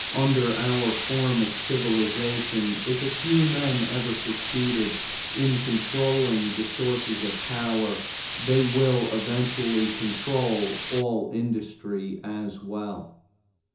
Under our form of civilization, if a few men ever succeed in controlling the sources of power, they will eventually control all industry as well.